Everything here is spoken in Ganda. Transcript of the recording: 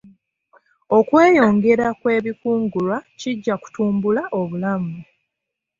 Okweyongera kw'ebikungulwa kijja kutumbula obulamu.